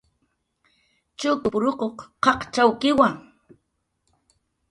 Chukup ruquq qaqcxawkiwa